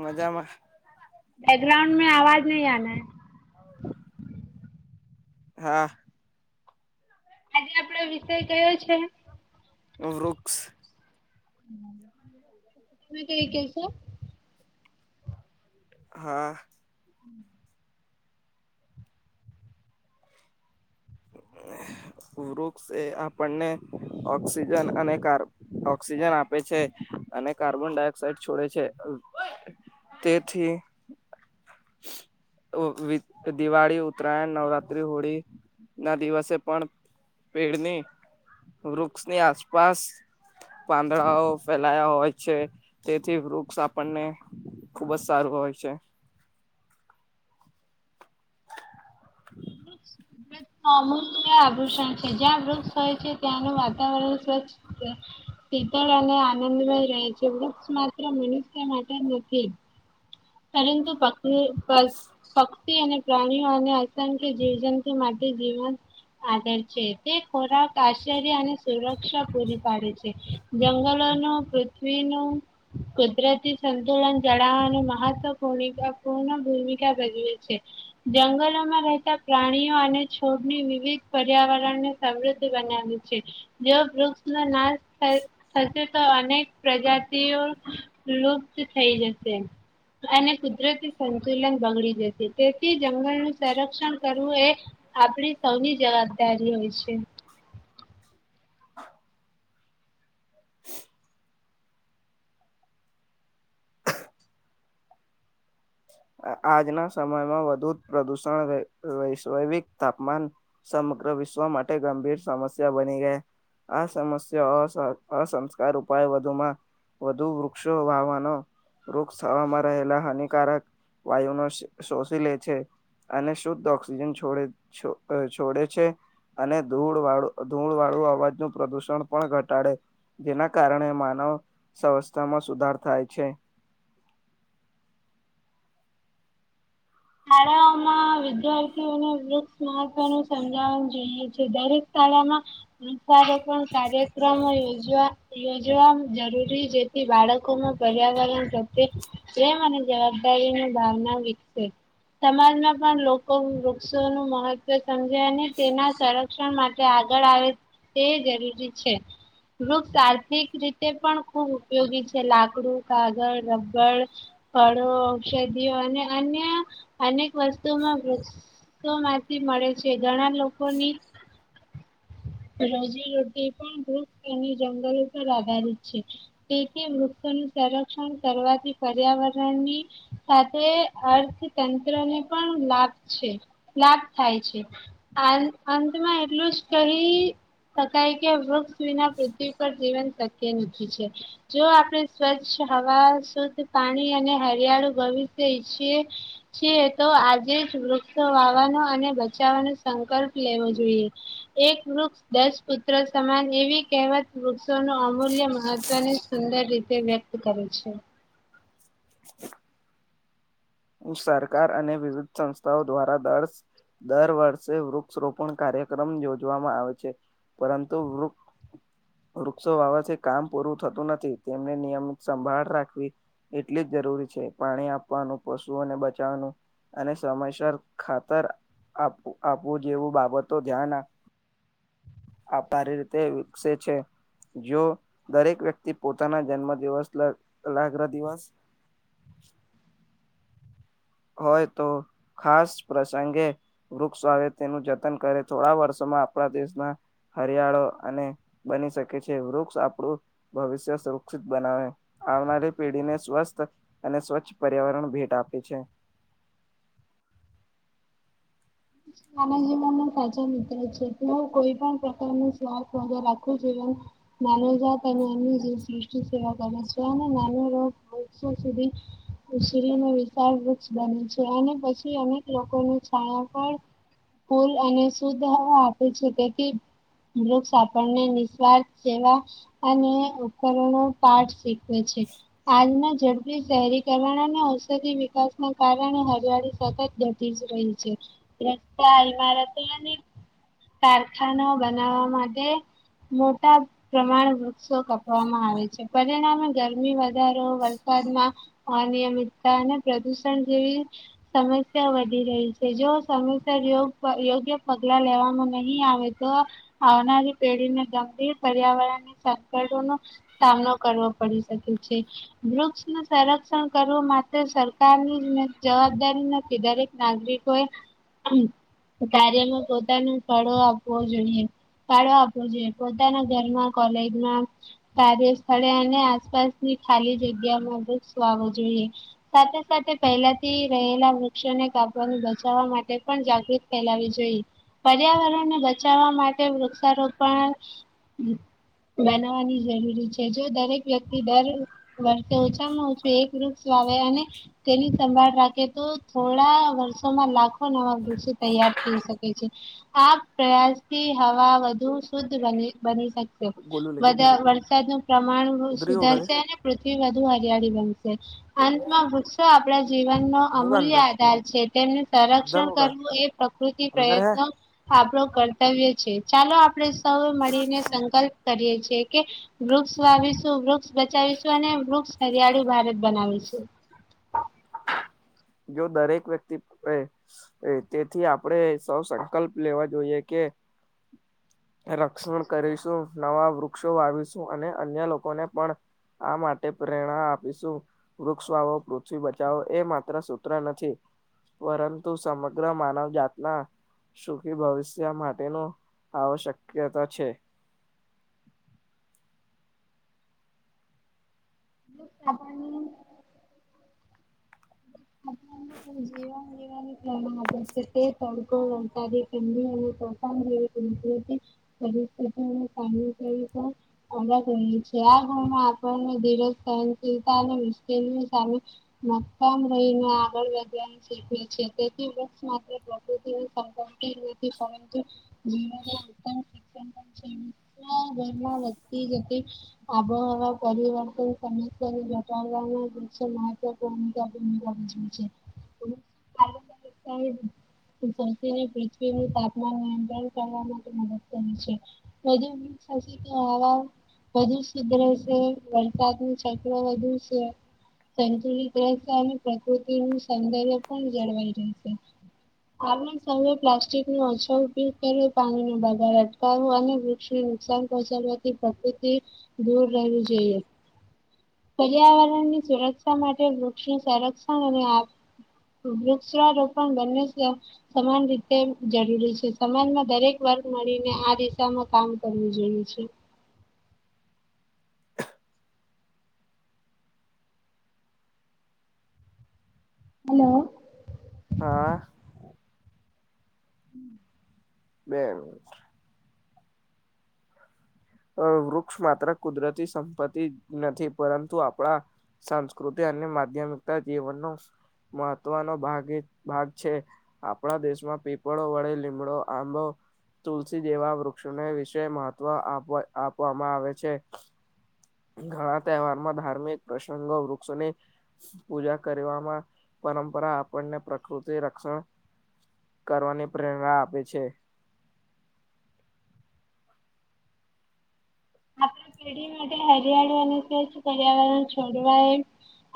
મજામાં બેગ્રાઉન્ડ મે અવાજ નહી આના હે હા આપડો વિષય કયો છે. વૃક્ષ તમે કય કેસો હા [unintelligible] વૃક્ષ એ આપણને ઓક્સિજન અને કાર્બ ઓક્સિજન આપે છે અને કાર્બન ડાયોક્સાઇડ છોડે છે. તેથી અ દિવાળી ઉત્તરાયણ નવરાત્રી હોળી ના દિવસે પણ પેડની વૃક્ષની આસપાસ. પાંદડાઓ ફેલાયા હોય છે. તેથી વૃક્ષ આપણને ખુબ જ સારું હોય છે. [unintelligible] હ [inaudible] આભૂષણ છે જ્યાં વૃક્ષ હોય છે ત્યાંનું વાતાવરણ સ્વચ્છ. શીતળ અને આનંદમય રહે છે વૃક્ષ માત્ર મનુષ્ય માટે નથી. પરંતુ પ પ. પક્ષી અને પ્રાણીઓ અને અસંખ્ય જીવજંતુ માટે જીવન. આગળ છે તે ખોરાક આશ્ચર્ય અને સુરક્ષા પૂરી પાડે છે. જંગલોનું પૃથ્વીનું કુદરતી સંતુલન જાળવાનું મહત્વ. પૂર્ણ ભૂમિકા પૂર્ણ ભૂમિકા ભજવે છે. જંગલોમાં રહેતા પ્રાણીઓ અને છોડની વિવિધ પર્યાવરણને. સમૃદ્ધિ બનાવે છે જો વૃક્ષનો નાશ. થશે તો અનેક પ્રજાતિઓ લુપ્ત થઈ જશે. અને કુદરતી સંતુલન બગડી જશે તેથી જંગલનું સંરક્ષણ કરવું એ. આપડી સૌની જવાબદારી હોય છે. [unintelligible] આજના સમયમાં વધુ પ્રદુષણ વૈશ્વિક તાપમાન. સમગ્ર વિશ્વ માટે ગંભીર સમસ્યા બની ગઈ. આ સમસ્યા અ અસંસ્કાર ઉપાય વધુમાં. વધુ વૃક્ષો વાવાનો વૃક્ષ હવામાં રહેલા હાનિકારક. વાયુ નો શોષી લે છે. અને શુદ્ધ ઓક્સજન છોડે છોડે છે. અને ધૂળ વાળું ધૂળ વાળું અવાજનુ પ્રદુષણ પણ ઘટાડે. જેના કારણે માનવ સંવસ્થામાં સુધાર થાય છે. શાળાઓમાં વિદ્યાર્થીઓને વૃક્ષ મહત્વનું સમજાવું જોઈએ છે દરેક. શાળામાં વૃક્ષારોપણ કાર્યક્રમો યોજવા. યોજવા જરૂરી જેથી બાળકોમાં પર્યાવરણ પ્રત્યે. પ્રેમ અને જવાબદારીની ભાવના વિકસે. સમાજમાં પણ લોકો વૃક્ષો નુ મહત્વ સમજે અને તેના સર. શરક્ષણ માટે આગળ આવે તે જરૂરી છે. વૃક્ષ આર્થિક રીતે પણ ખૂબ ઉપયોગી છે લાકડું કાગળ રબર. ફળો ઔષધિઓ અને અન્ય. અનેક વસ્તુમાં વૃક્ષોમાંથી મળે છે ઘણા લોકોની. રોજી રોટી પણ. અને જંગલો પર આધારિત છે તેથી વૃક્ષનું સર. ક્ષણ કરવાથી પર્યાવરણની સાથે અર્થ. તંત્ર ને પણ લાભ છે લાભ થાય છે. અંતમાં એટલું જ કહી શકાય કે વૃક્ષ વિના પૃથ્વી પર જીવન શક. કે મકી છે. જો આપણે સ્વચ્છ હવા શુદ્ધ પાણી અને હરિયાળુ ભવિષ્ય ઈચ્છીએ. છી તો આજે જ વૃક્ષ વાવાનો અને બચાવવાનો સંકલ્પ લેવો જોઈએ. એક વૃક્ષ દસ પુત્ર સમાન એવી કહેવત. વૃક્ષો ન અમૂલ્ય મહત્વની સુંદર રીતે વ્યક્ત કરે છે. [inaudible] [unintelligible] હ સરકાર અને વિવિધ સંસ્થાઓ દ્વારા દરસ. દર વર્ષે વૃક્ષ રોપણ કાર્યક્રમ યોજવામાં આવે છે. પરંતુ વૃક્ષ. વૃક્ષો વાવાથી કામ પૂરું થતું નથી તેમને નિયમિત સંભાળ રાખવી. એટલી જ જરૂરી છે પાણી આપવાનું પશુને બચાવવાનું અને સમયસર ખાતર આપું આપવું જેવું બાબતો ધ્યા આભારી રીતે વિકસે છે જો દરેક વ્યક્તિ પોતાના જન્મ દિવસ લગ્ર દિવસ હોય તો ખાસ પ્રસંગે વૃક્ષ આવે તેનું જતન કરે થોડા વર્ષોમાં આપણા દેશના હરિયાળો અને બની શકે છે વૃક્ષ આપણું ભવિષ્ય સુરક્ષિત બનાવે આવનારી પેઢીને સ્વસ્થ અને સ્વચ્છ પર્યાવરણ ભેટ આપે છે આનંદ જીવન ન સાચા મિત્ર છે હું કોઈ પણ પ્રકાર ન શવાદ વધા રાખું છવ નાનવજત અને એની સષ સેવા કરે છે અને વો સુધી ઉશરીનો વિચાર વૃક્ષ બને છે અને પછી અનેક લોકોની છાયા પણ કુલ અને શુદ્ધ હવા આપે છે તેથી વૃક્ષ આપણને નિસ્વાર્થ સેવા અને ઉપકરણો પાઠ શીખવે છે હાલના ઝડપી શહેરીકરણ અને ઔષધિ વિકાસના કારણે હરિયાળી સતત જ રહી છે રસ્તા ઇમારતેને કારખાના બનાવવા માટે મોટા પ્રમાણ વૃક્ષો કપવામાં આવે છે પરિણામે ગરમી વધારો વરસાદમાં અનિયમિતતા અને પ્રદુષણ જેવી સમસ્યા વધી રહી છે જો સમયસરયો યોગ્ય પગલા લેવામાં નહીં આવે તો આવનારી પેઢીને ગંભીર પર્યાવરણ સંકટોનું સામનો કરવો પડી શકે છે વૃક્ષ ન સંરક્ષણ કરવું માટે સરકારની જવાબદારી નથી દરેક નાગરિકોએ કાર્યમાં પોતાનું ફળો આપવો જોઈએ ફાળો આપવો જોઈએ પોતાના ઘરમાં કોલેજમાં કાર્ય સ્થળે અને આસપાસની ખાલી જગ્યામાં બુવો જોઈએ સાથે સાથે પહેલા થી રહેલા વૃક્ષોને કાપવા બચાવવા માટે પણ જાગૃત ફેલાવી જોઈએ પર્યાવરણને બચાવવા માટે વૃક્ષારોપણ બનાવાની જરૂરી છે જો દરેક વ્યક્તિ દર વર્તે ઓછામાં ઓછું એક વૃક્ષ વા આવે અને તેની સંભાળ રાખે તો થોડા વર્ષોમાં લાગ નવા દૃ્ય તૈયાર થઈ શકે છે આ પ્રયાસથી હવા શદ બની શકશે વરસાદ નું પ્રમાણ સુધારશે પૃથ્વી બુ હરિયાળી બન અંતમાં ગુસ્સો આપણા જીવન નો અમૂલ્ય આધાર છે તેમની સરસ કરવું એ પ્રકૃતિ પ્રયત્નો આપણ કર્તવ્ય છે ચાલો આપણે મળીને સંકલ્પ કરીએ છી કે વૃક્ષ વાવીશું વૃક્ષ બચાવીશું અને વૃક્ષ હરિયાળું ભારત બનાવીશું જો દરેક વ્યક્તિ એે તેથી આપણેે સૌ સંકલ્પ લેવા જોઈએ કે રક્ષણ કરીશું નવા વૃક્ષો વાવીશું અને અન્ય લોકોને પણ આ માટે પ્રેરણા આપીશું વૃક્ષ વાવો પૃથ્વી બચાવો એ મા ત્ર સૂત્ર નથી પરંતુ સમગ્ર માનવ જાતના સુખી ભવિષ્ય માટેનું આવશ્યકતા છે આપણને આપણને જીવન જીવાની પ્રણાલી છે તે તડકો રણકારી ફ પરિસ્થ કાર [unintelligible] અલગ રહે છે આ ગુણમાં આપણને ધીરજ સનશીલતા અને મુશ્કેલની સામે મક્કામ રહીને આગળ તેમ છેટે છે તેથી વૃક્ષ માટે પ્રકૃતિ નો [unintelligible] વિરુદ્ધ સંબંધિત [unintelligible] આબોહવા, પરિવર્તન, સમસ્યા ને જતા રહેવા ના વૃષન મહત્ [unintelligible] [inaudible] [unintelligible] ને પૃથ્વી તાપમાન નિયંત્રણ કરવા માટે મદદ કરે છે. [unintelligible] થશે તો આવા વધુ સુધર સે વરસાદનું ચૈત્ર વધુ છે સંતુલિત રહેશે અને પ્રકૃતિ નું સૌંદર્ય પણ જળવાઈ રહેશે. આમે સૌએ પ્લાસ્ટિકનું ઓછો ઉપયોગ કર્યું પાણી નો બગાડ જ કરવું અને વૃક્ષને નુકસાન પહોંચાડવાથી પ્રકૃતિ દૂર રહેવુ જોઈએ. પર્યાવરણની સુરક્ષા માટે વૃક્ષ સંરક્ષણ અને આ વૃક્ષારોપણ બને છે. સમાન રીતે જરૂરી છે સમાજમાં દરેક વર્ગ મળીને આ દિશામાં કામ કરવું જોઈએ છે હલો. હા. હમ્મ. બે મિનિટ વૃક્ષ માત્ર કુદરતી સંપત્તિ નથી પરંતુ આપણા સાંસ્કૃતિ અને માધ્યમિકતા જીવનનો મહત્વનો ભાગ એ ભાગ છે. આપણા દેશમાં પીપળો વડે લીમડો આંબો તુલસી જેવા વૃક્ષોને વિશે મહત્વ આપ આપવામાં આવે છે. ઘણા તહેવારમાં ધાર્મિક પ્રસંગો વૃક્ષોને પૂજા કરવામાં પરંપરા આપણને પ્રકૃતિ રક્ષણ કરવાની પ્રેરણા આપે છે. [unintelligible] માટે હરિયાળુ અને તેજ પર્યાવરણ છોડવાય એ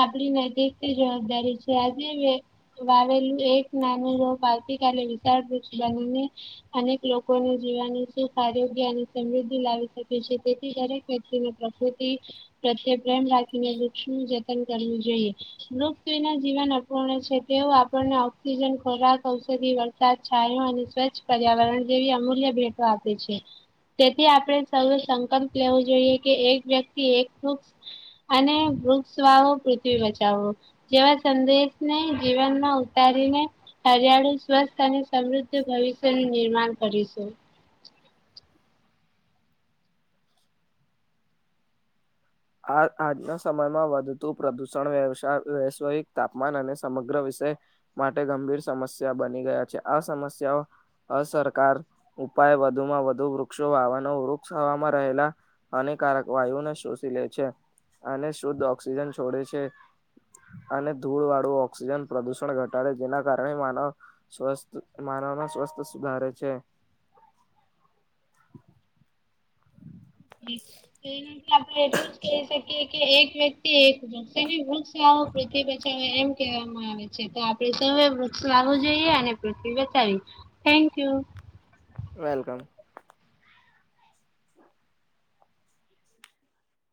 આપડી નૈતિકથી જવાબદારી છે આજે મેં વાવેલું એક નાનું રોપ આવતીકાલે વિશાળ વૃક્ષ બનીને અનેક લોકોને જીવન સુખ આરોગ્ય અને સમૃદ્ધિ લાવી શકે છે તે થી દરેક વ્યક્તિને પ્રકૃતિ પ્રત્યે પ્રેમ રાખીને વૃક્ષનું જતન કરવું જોઈએ. વૃક્ષ જોઇના જીવન અપૂર્ણ છે તેઓ આપણને ઓક્સિજન ખોરાક ઔષધિ સાથ છાયો અને સ્વચ્છ પર્યાવરણ જેવી અમૂલ્ય ભેટો આપે છે. તેથી આપણે સૌ સંકલ્પ લેવો જોઈએ કે એક વ્યક્તિ એક વૃક્ષ અને વૃક્ષ વાવો પૃથ્વી બચાવો જેવા સંદેશને જીવનમાં ઉતારીને હરિયાળુ સ્વસ્થ અને સમૃદ્ધ ભવિષ્યનું નિર્માણ કરીશું. આ આજના સમયમાં વધતું પ્રદુષણ વ્યવસાય વૈશવિક તાપમાન અને સમગ્ર વિશે માટે ગંભીર સમસ્યા બની ગયા છે આ સમસ્યાઓ અસરકાર ઉપાય વધુમાં વધુ વૃક્ષો વાવાનો વૃક્ષ હવામાં રહેલા હાનિકારક વાયુને શોષી લે છે અને શુદ્ધ ઓક્સિજન છોડે છે. અને ધૂળ વાળું ઓક્સિજન પ્રદુષણ ઘટાડે જેના કારણે માનવ સ્વસ્થ માનવવામાં સ્વસ્થ સુધારે છે. એ આપણે એટલું જ કહી શકીએ કે એક વ્યક્તિ એક વૃક્ષા વાવો બેટી બચાવો એમ કહેવામાં આવે તો આપડે સૌ વૃક્ષ વાવું જોઈએ અને પૃથ્વી બતાવીએ થેન્ક યુ. વેલકમ.